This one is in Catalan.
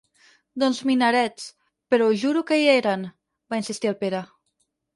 Doncs minarets, però us juro que hi eren —va insistir el Pere.